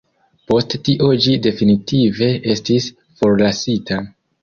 Post tio ĝi definitive estis forlasita.